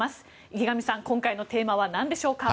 池上さん、今回のテーマは何でしょうか？